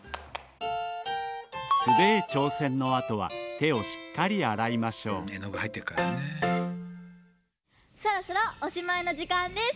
スデー挑戦のあとは手をしっかり洗いましょうそろそろおしまいのじかんです。